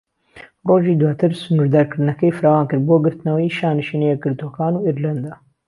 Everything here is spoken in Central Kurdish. ڕۆژی دواتر، سنوردارکردنەکەی فراوانکرد بۆ گرتنەوەی شانشینە یەکگرتووەکان و ئیرلەندا.